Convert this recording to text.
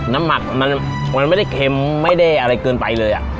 หมักมันไม่ได้เค็มไม่ได้อะไรเกินไปเลย